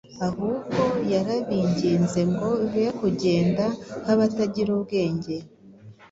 ahubwo yarabinginze ngo “be kugenda nk’abatagira ubwenge,